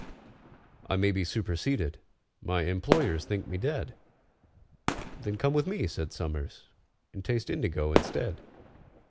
I may be superseded—my employers think me dead!" "Then come with me," said SOMERS, "and taste indigo instead."